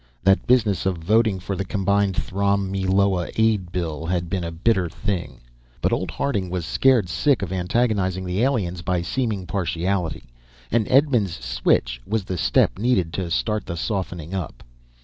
That business of voting for the combined Throm Meloa Aid Bill had been a bitter thing; but old Harding was scared sick of antagonizing the aliens by seeming partiality, and Edmonds' switch was the step needed to start the softening up.